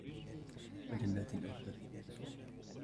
وَجَنَّاتٍ أَلْفَافًا